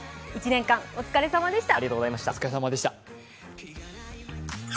１年間、お疲れさまでした。